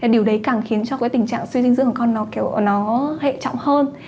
điều đấy càng khiến cho cái tình trạng suy dinh dưỡng của con nó hệ trọng hơn